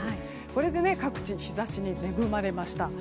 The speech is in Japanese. これで各地日差しに恵まれました。